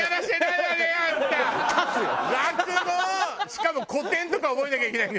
しかも古典とか覚えなきゃいけない。